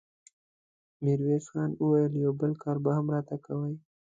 ميرويس خان وويل: يو بل کار به هم راته کوې!